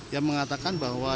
yang mengatakan bahwa